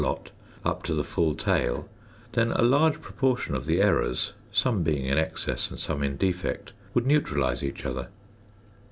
lot, up to the full tale, then a large proportion of the errors (some being in excess and some in defect) would neutralise each other.